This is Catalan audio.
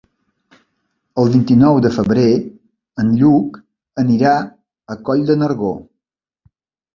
El vint-i-nou de febrer en Lluc anirà a Coll de Nargó.